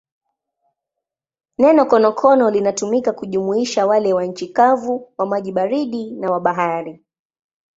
Neno konokono linatumika kujumuisha wale wa nchi kavu, wa maji baridi na wa bahari.